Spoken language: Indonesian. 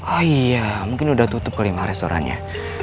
oh iya mungkin udah tutup kali mah restorannya